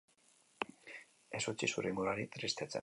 Ez utzi zure inguruari tristetzen.